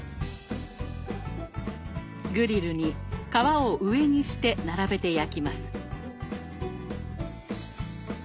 グリルに皮を上にして並べて焼きます。